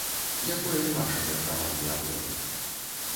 Якое ваша меркаванне аб гэтым?